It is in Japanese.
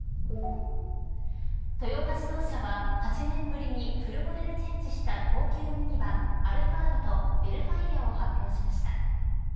トヨタ自動車は８年ぶりにフルモデルチェンジした高級ミニバンアルファードとヴェルファイアを発表しました。